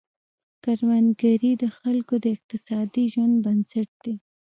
کروندګري د خلکو د اقتصادي ژوند بنسټ دی.